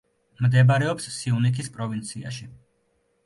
მდებარეობს სიუნიქის პროვინციაში.